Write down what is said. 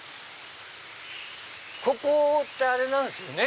ここってあれなんすよね？